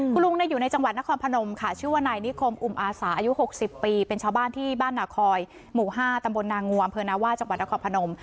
คุณลุงอยู่ในจังหวัดนครพนมค่ะชื่อว่านายนิคมอุมอาสาอายุ๖๐ปีเป็นชาวบ้านที่บ้านนาคอยหมู่๕ตำบลนางวมอำเภอนาว่าจังหวัดนครพนม